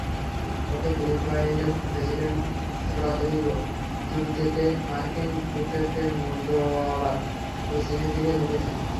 ওদিকে ফিলিপাইনের president Rodrigo Duterte মার্কিন যুক্তরাষ্ট্রের মুর্দাবাদ করে চীনের দিকে ঝুঁকেছেন।